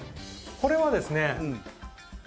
これはですね。